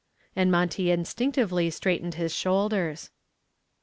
And Monty instinctively straightened his shoulders.